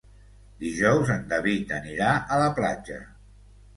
Dijous en David anirà a la platja.